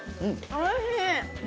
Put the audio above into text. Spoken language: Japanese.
おいしい！